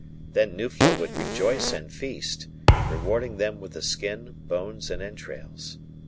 Then Nuflo would rejoice and feast, rewarding them with the skin, bones, and entrails.